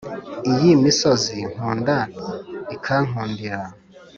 iyi misozi nkunda ikankundira